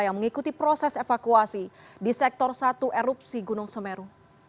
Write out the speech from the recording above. yang mengikuti proses evakuasi di sektor satu erupsi gunung semeru